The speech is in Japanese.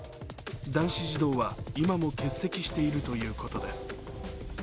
男子児童は今も欠席しているということです。